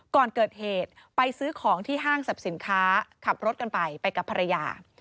ก่อนเกิดเหตุไปซื้อของที่ห้างสรรพสินค้าขับรถกันไปไปกับภรรยา